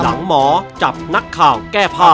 หมอจับนักข่าวแก้ผ้า